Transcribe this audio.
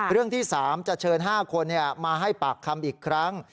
เรื่องที่๓จะเชิญ๕คนมาให้ปากคำอีกครั้ง